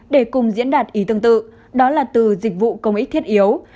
để cùng diễn đạt ý tương tự đó là từ dịch vụ công ích thiết yếu